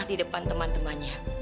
di depan teman temannya